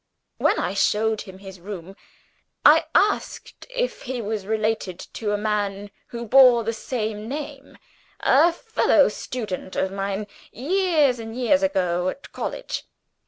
When I showed him his room, I asked if he was related to a man who bore the same name a fellow student of mine, years and years ago, at college.